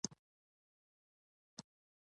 ما ورته وویل فکر کوم د اوس لپاره همدا کفایت کوي.